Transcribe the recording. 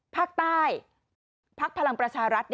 ภาคใต้ภาคพลังประชารัฐ